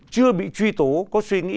chưa bị truy tố có suy nghĩ